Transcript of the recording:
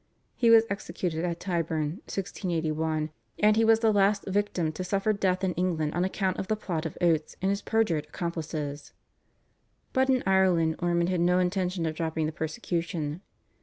He was executed at Tyburn (1681), and he was the last victim to suffer death in England on account of the plot of Oates and his perjured accomplices. But in Ireland Ormond had no intention of dropping the persecution.